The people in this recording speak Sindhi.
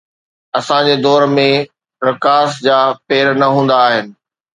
اسان جي دور ۾ رقاص جا پير نه هوندا آهن